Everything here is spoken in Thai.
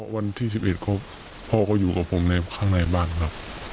วันที่๑๑พ่อก็อยู่กับผมในข้างในบ้านครับ